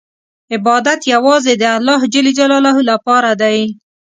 عبادت یوازې د الله لپاره دی.